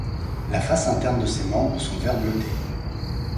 La face interne de ses membres sont vert bleuté.